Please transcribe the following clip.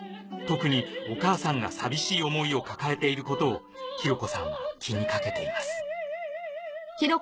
特にお母さんが寂しい思いを抱えていることを紘子さんは気にかけています